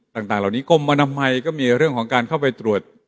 ต่างเหล่านี้กรมอนามัยก็มีเรื่องของการเข้าไปตรวจ